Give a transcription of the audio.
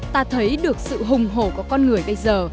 ta thấy được sự hùng hồ của con người bây giờ